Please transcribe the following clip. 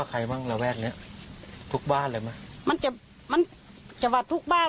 กับใครบ้างระแวดเนี้ยทุกบ้านเลยมั้ยมันจะมันจวาทุกบ้าน